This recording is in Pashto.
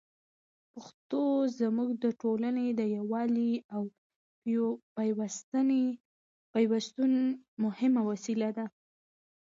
پښتو زموږ د ټولني د یووالي او پېوستون مهمه وسیله ده.